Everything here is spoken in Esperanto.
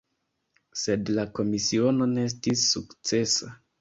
Sed la komisiono ne estis sukcesa.